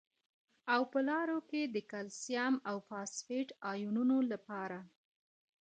او په لاړو کې د کلسیم او فاسفیټ ایونونو لپاره